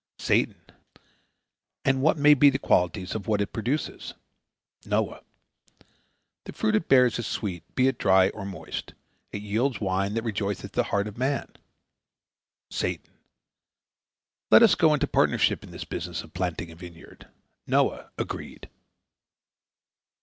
Satan: "And what may be the qualities of what it produces?" Noah: "The fruit it bears is sweet, be it dry or moist. It yields wine that rejoiceth the heart of man." Satan: "Let us go into partnership in this business of planting a vineyard." Noah: "Agreed!"